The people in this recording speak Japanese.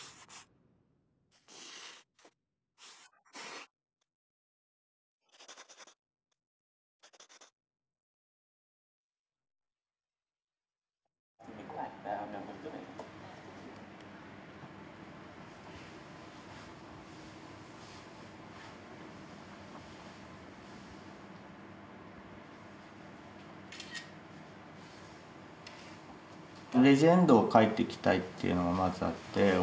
レジェンドを描いていきたいっていうのがまずあって大きくは。